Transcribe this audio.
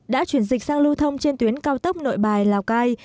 đã chuyển dịch sang lưu thông trên tuyến cao tốc nội bài lào cai